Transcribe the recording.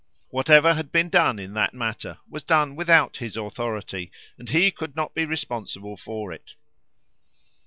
Whatever had been done in that matter was done without his authority, and he could not be responsible for it.